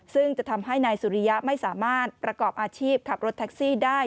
ซึ่งจะทำให้นายสุริยะไม่สามารถประกอบอาชีพขับรถแท็กซี่ได้